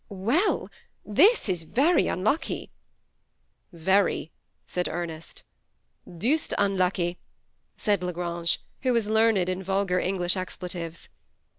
" Well, this is very unlucky." " Very," said Ernest. " Deuced unlucky," said La Grange, who was learn ed in vulgar English expletives.